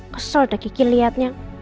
kesel dah kiki liatnya